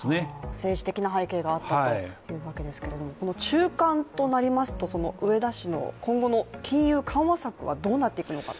政治的な背景があったというわけですけどこの中間となりますと、植田氏の今後の金融緩和策はどうなっていくのかと。